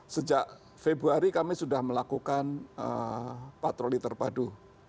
sejak februari kami sudah melakukan patroli terpadu